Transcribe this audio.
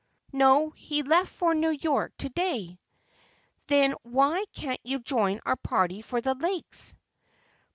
"No, he left for New York to day." "Then why can't you join our party for the Lakes?"